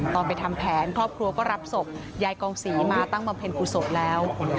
ไปทำแผนครอบครัวก็รับศพยายกองศรีมาตั้งบำเพ็ญกุศลแล้ว